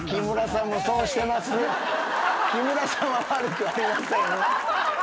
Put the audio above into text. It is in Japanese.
木村さんは悪くありません。